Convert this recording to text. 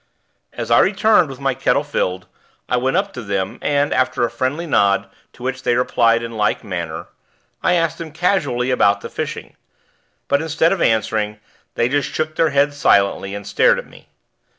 As I returned with my kettle filled, I went up to them and, after a friendly nod, to which they replied in like manner, I asked them casually about the fishing; but, instead of answering, they just shook their heads silently, and stared at me.